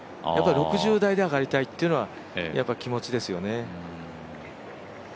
６０台であがりたいっていうのはやっぱり気持ちですよね。